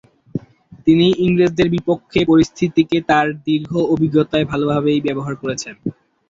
তিনি ইংরেজদের বিপক্ষের পরিস্থিতিকে তার দীর্ঘ অভিজ্ঞতায় ভালোভাবেই ব্যবহার করেছেন।